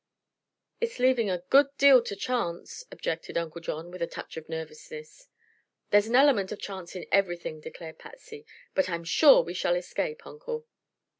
"It's leaving a good deal to chance," objected Uncle John, with a touch of nervousness. "There is an element of chance in everything," declared Patsy. "But I'm sure we shall escape, Uncle.